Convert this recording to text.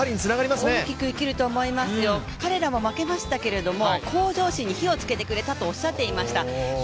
すごく大きく生きると思いますよ、彼らも負けてはしまいましたけれども向上心に火をつけてくれたとおっしゃっていました。